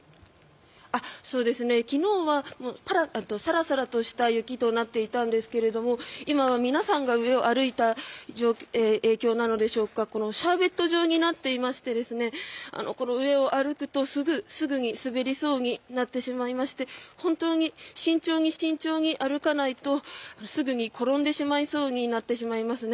昨日はサラサラとした雪となっていたんですが今は皆さんが上を歩いた影響なのでしょうかシャーベット状になっていましてこの上を歩くとすぐに滑りそうになってしまいまして本当に慎重に慎重に歩かないとすぐに転んでしまいそうになってしまいますね。